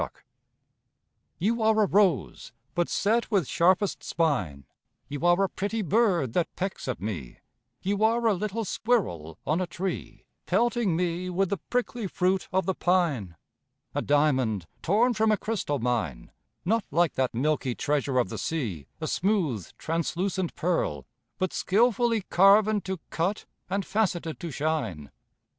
NANCY You are a rose, but set with sharpest spine; You are a pretty bird that pecks at me; You are a little squirrel on a tree, Pelting me with the prickly fruit of the pine; A diamond, torn from a crystal mine, Not like that milky treasure of the sea A smooth, translucent pearl, but skilfully Carven to cut, and faceted to shine.